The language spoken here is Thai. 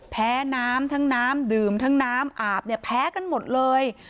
แพ้น้ำทั้งน้ำดื่มทั้งน้ำอาบเนี่ยแพ้กันหมดเลย